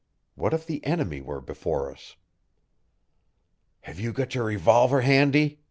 What if the enemy were before us? "Have you got your revolver handy?"